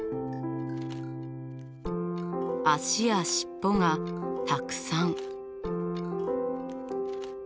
足や尻尾がたくさん。